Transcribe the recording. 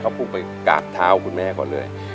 เขาไปกาดเท้าคุณแม่ก่อนเลย